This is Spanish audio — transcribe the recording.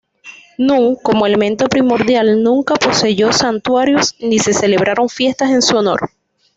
Nun, como elemento primordial, nunca poseyó santuarios ni se celebraron fiestas en su honor.